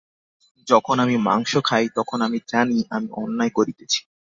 যখন আমি মাংস খাই, তখন আমি জানি, আমি অন্যায় করিতেছি।